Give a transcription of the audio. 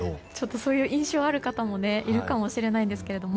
そういう印象がある方もいるかもしれないんですが。